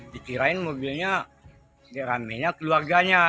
dikirain mobilnya rame nya keluarganya